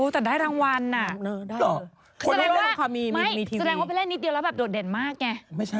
แต่ได้รางวัลน่ะคุณเล่นวันคำคัมีมีทีวีนึกอ่ะแล้วแบบโดดเด่นมากไงไม่ใช่